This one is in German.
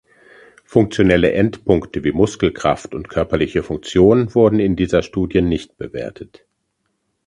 Funktionelle Endpunkte wie Muskelkraft und körperliche Funktion wurden in dieser Studie nicht bewertet.